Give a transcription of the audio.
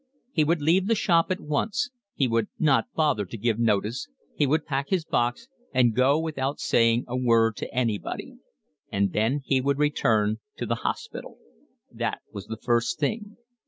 He would leave the shop at once, he would not bother to give notice, he would pack his box and go without saying a word to anybody; and then he would return to the hospital. That was the first thing.